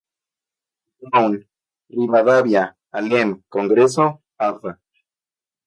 Brown, Rivadavia, Alem, Congreso, Avda.